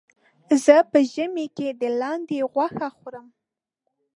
زه په ژمي کې د لاندې غوښه خورم.